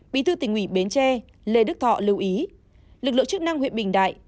bí thư tỉnh ủy bến tre lê đức thọ lưu ý lực lượng chức năng huyện bình đại